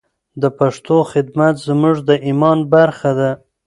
د پښتو خدمت زموږ د ایمان برخه ده.